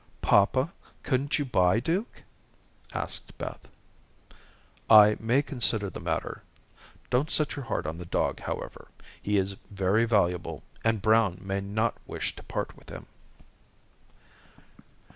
"Papa, couldn't you buy Duke?" asked Beth. "I may consider the matter. Don't set your heart on the dog, however. He is very valuable, and Brown may not wish to part with him."